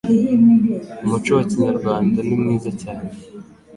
umuco wa kinyarwanda nimwiza cyane.